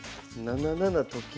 ７七と金？